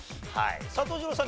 佐藤二朗さん